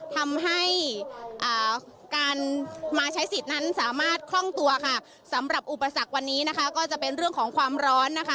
ทำให้การมาใช้สิทธิ์นั้นสามารถคล่องตัวค่ะสำหรับอุปสรรควันนี้นะคะก็จะเป็นเรื่องของความร้อนนะคะ